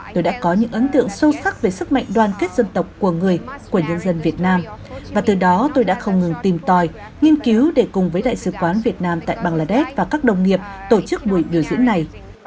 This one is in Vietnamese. tôi đã có những ấn tượng sâu sắc về sức mạnh đoàn kết dân tộc của người của nhân dân việt nam và từ đó tôi đã không ngừng tìm tòi nghiên cứu để cùng với đại sứ quán việt nam tại bangladesh và các đồng nghiệp tổ chức buổi biểu diễn này